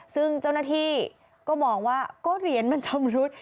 ซึ่งเจ้าหน้าที่ก็มองว่าก็เหรียญมันชำรุด